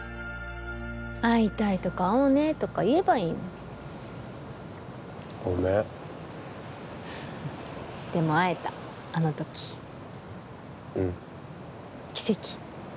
「会いたい」とか「会おうね」とか言えばいいのにごめんでも会えたあの時うん奇跡？